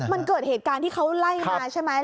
มันเกิดเหตุการณ์ที่เขาไล่มาใช่ไหม